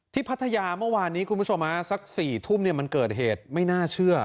พัทยาเมื่อวานนี้คุณผู้ชมสัก๔ทุ่มมันเกิดเหตุไม่น่าเชื่อ